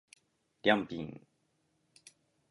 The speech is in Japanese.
りゃんぴん